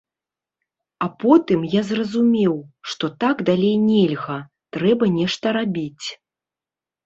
А потым я зразумеў, што так далей нельга, трэба нешта рабіць.